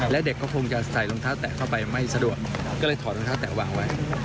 แล้วเด็กก็คงจะใส่รองเท้าแตะเข้าไปไม่สะดวกก็เลยถอดรองเท้าแตะวางไว้